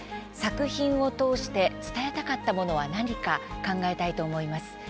作品を通して伝えたかったものは何か、考えたいと思います。